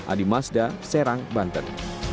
adi mazda serang banten